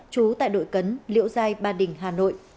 trú tại đội cấn liễu giai ba đình hà nội